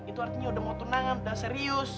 itu artinya udah mau tenang udah serius